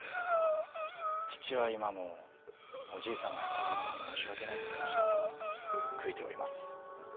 父は今もおじい様や家族に申し訳ないことをしたと悔いております。